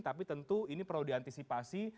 tapi tentu ini perlu diantisipasi